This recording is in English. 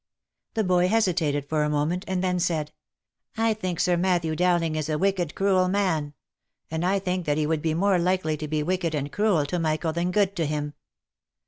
The boy hesitated for a moment, and then said— " I think Sir Matthew Dowling is a wicked, cruel man ; and I think that he would be more likely to be wicked and cruel to Michael than good to him."